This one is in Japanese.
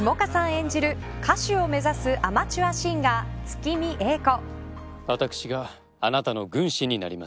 演じる歌手を目指すアマチュアシンガー月見英子。